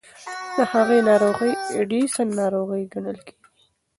د هغې ناروغۍ اډیسن ناروغي ګڼل کېږي.